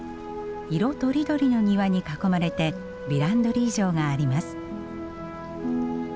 色とりどりの庭に囲まれてヴィランドリー城があります。